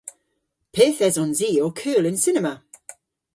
Pyth esons i ow kul y'n cinema?